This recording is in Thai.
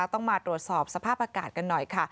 ต้องมาตรวจสอบสภาพอากาศกันหน่อยค่ะ